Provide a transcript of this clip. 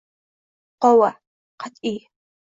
Muqova: qat'iy